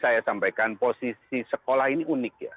saya sampaikan posisi sekolah ini unik ya